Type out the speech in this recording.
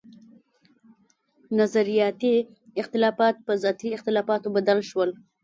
نظرياتي اختلافات پۀ ذاتي اختلافاتو بدل شو